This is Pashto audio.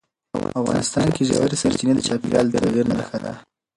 افغانستان کې ژورې سرچینې د چاپېریال د تغیر نښه ده.